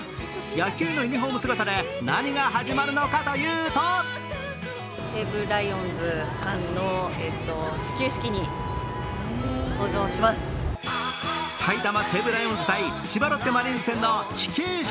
野球のユニフォーム姿で何が始まるのかというと埼玉西武ライオンズ×千葉ロッテマリーンズ戦の始球式。